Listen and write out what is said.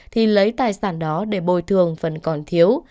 thì lấy tài sản đó để bồi thường phần còn thiếu